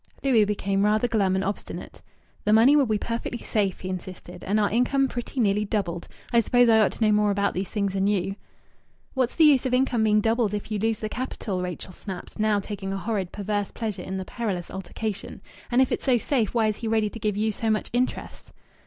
Louis became rather glum and obstinate. "The money will be perfectly safe," he insisted, "and our income pretty nearly doubled. I suppose I ought to know more about these things than you." "What's the use of income being doubled if you lose the capital?" Rachel snapped, now taking a horrid, perverse pleasure in the perilous altercation. "And if it's so safe why is he ready to give you so much interest?"